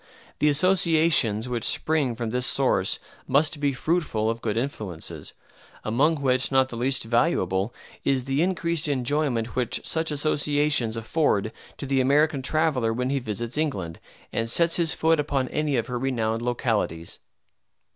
The associations which spring from this source must be fruitful of good influences; among which not the least valuable is the increased enjoyment which such associations afford to the American traveller when he visits England, and sets his foot upon any of her renowned localities.